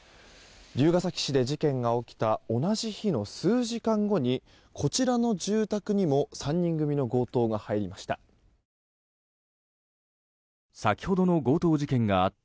龍ケ崎市で事件が起きた同じ日の数時間後にこちらの住宅にも３人組の強盗が入りました。